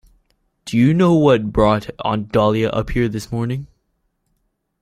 Do you know what brought Aunt Dahlia up here this morning?